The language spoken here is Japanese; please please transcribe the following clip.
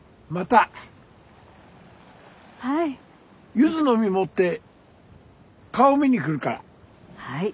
柚子の実持って顔見に来るから。はい。